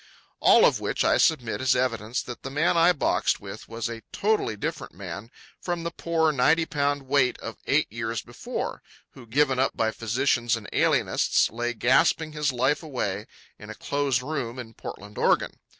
All of which I submit as evidence that the man I boxed with was a totally different man from the poor, ninety pound weight of eight years before, who, given up by physicians and alienists, lay gasping his life away in a closed room in Portland, Oregon.